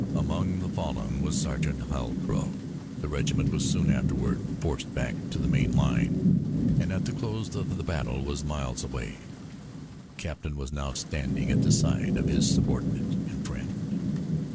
Among the fallen was Sergeant Halcrow. The regiment was soon afterward forced back to the main line, and at the close of the battle was miles away. The captain was now standing at the side of his subordinate and friend.